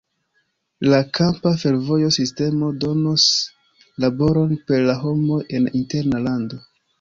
La kampa fervojo sistemo donos laboron per la homoj en interna lando.